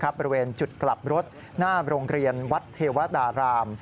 บริเวณจุดกลับรถหน้าโรงเรียนวัดเทวดาราม